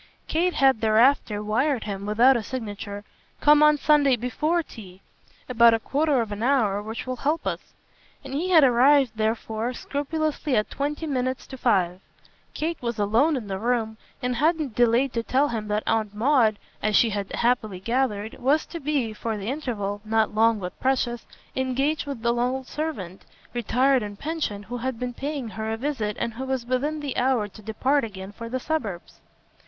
Kate had thereafter wired him, without a signature, "Come on Sunday BEFORE tea about a quarter of an hour, which will help us"; and he had arrived therefore scrupulously at twenty minutes to five. Kate was alone in the room and hadn't delayed to tell him that Aunt Maud, as she had happily gathered, was to be, for the interval not long but precious engaged with an old servant, retired and pensioned, who had been paying her a visit and who was within the hour to depart again for the suburbs.